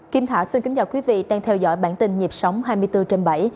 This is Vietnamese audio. kính thảo xin kính chào quý vị đang theo dõi bản tin nhịp sóng hai mươi bốn trên bảy